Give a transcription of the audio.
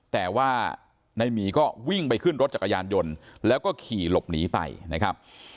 แต่ว่าในหมีก็วิ่งไปขึ้นรถจักรยานยนต์แล้วก็ขี่หลบหนีไปนะครับ